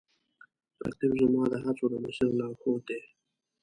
رقیب زما د هڅو د مسیر لارښود دی